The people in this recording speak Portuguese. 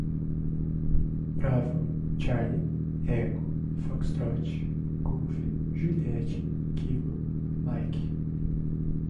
bravo, charlie, echo, foxtrot, golf, juliet, kilo, mike